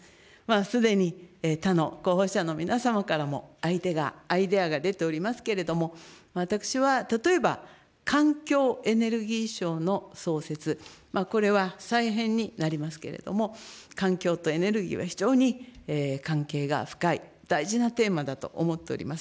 すでに他の候補者の皆様からもアイデアが出ておりますけれども、私は例えば、環境エネルギー省の創設、これは再編になりますけれども、環境とエネルギーは非常に関係が深い、大事なテーマだと思っております。